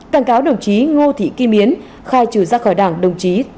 căn cáo đồng chí ngô thị kim yến khai trừ ra khỏi đảng đồng chí tôn thất hạnh